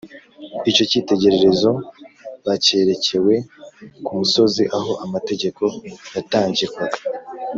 Icyo cyitegererezo bakerekewe ku musozi aho amategeko yatangirwaga